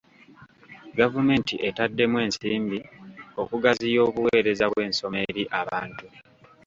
Gavumenti etaddemu ensimbi okugaziya obuweereza bw'ensoma eri abantu.